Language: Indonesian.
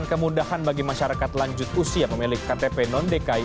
kemudahan bagi masyarakat lanjut usia pemilik ktp non dki